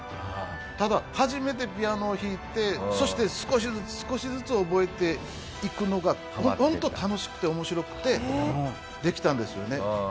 ただ初めてピアノを弾いてそして少しずつ少しずつ覚えていくのがホント楽しくて面白くてできたんですよね。